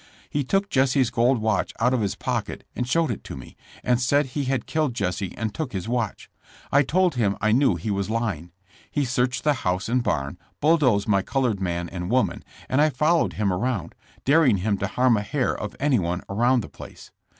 He took Jesse's gold watch out of his pocket and showed it to me, and said he had killed Jesse and took his watch. I told him I knew he was lying. He searched the house and barn, bulldozed my colored man and woman, and 1 followed him around, daring him to harm a hair of anyone around the place.